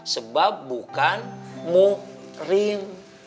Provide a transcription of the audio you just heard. sebab bukan muhrim